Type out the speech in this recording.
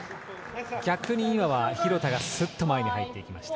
逆に、今回は廣田がすっと前に入っていきました。